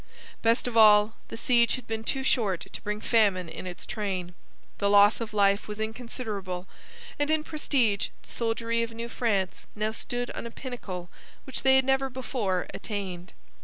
Best of all, the siege had been too short to bring famine in its train. The loss of life was inconsiderable, and in prestige the soldiery of New France now stood on a pinnacle which they had never before attained.